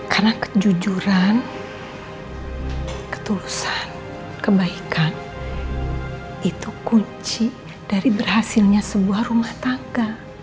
karena kejujuran ketulusan kebaikan itu kunci dari berhasilnya sebuah rumah tangga